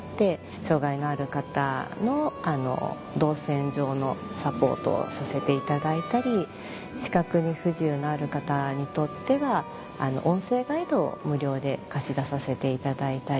障がいのある方の動線上のサポートをさせていただいたり視覚に不自由のある方にとっては音声ガイドを無料で貸し出させていただいたり。